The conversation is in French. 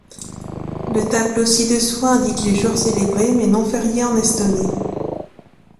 Le tableau ci-dessous indique les jours célébrés mais non feriés en Estonie.